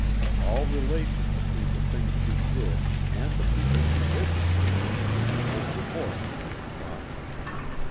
All relation between the things she did and the people she did them for was divorced in her thought.